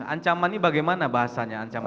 ancaman ini bagaimana bahasanya